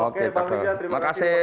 oke bang rizya terima kasih